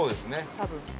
多分。